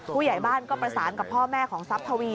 ผู้ใหญ่บ้านก็ประสานกับพ่อแม่ของทรัพย์ทวี